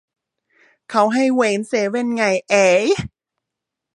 เขาให้เว้นเซเว่นไงเอ๊ะ